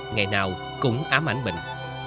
ngày nào cũng ám ảnh bình